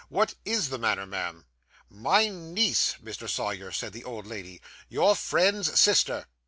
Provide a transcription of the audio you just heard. What is the matter, ma'am?' 'My niece, Mr. Sawyer,' said the old lady: 'your friend's sister.